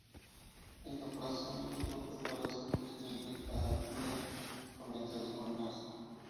Incapaz de asumir el golpe, parece que su idílica vida comienza a desmoronarse.